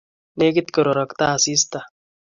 Negit kororokto asista